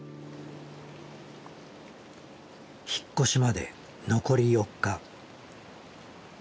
引っ越しまで残り４日。